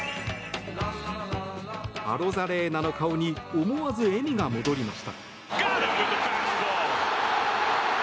アロザレーナの顔に思わず笑みが戻りました。